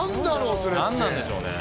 それって何なんでしょうね